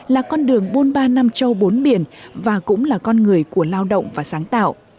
là con đường bôn ba năm châu bốn biển và cũng là con người của lao động và sáng tạo